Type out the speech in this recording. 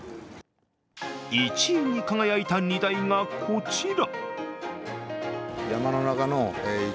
１位に輝いた荷台がこちら。